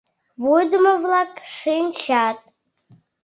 Вуйдымо-влак шинчат.